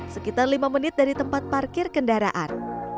sekitar lima menit dari tempat parkir kendaraan